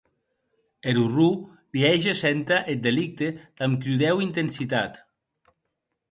Er orror li hège sénter eth delicte damb crudèu intensitat.